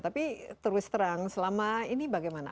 tapi terus terang selama ini bagaimana